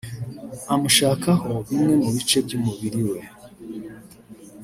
amushakaho bimwe mu bice by’umubiri we